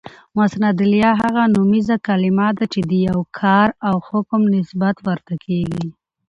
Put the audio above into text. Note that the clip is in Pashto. مسندالیه: هغه نومیزه کلیمه ده، چي د یو کار او حکم نسبت ورته کیږي.